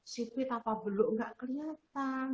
sipit apa beluk nggak kelihatan